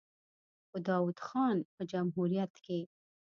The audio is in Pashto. په داوود خان په جمهوریت کې.